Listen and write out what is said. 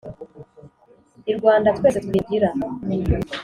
i rwanda twese twita rugira